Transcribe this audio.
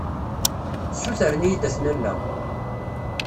Ssutren-iyi-d ad ten-alleɣ.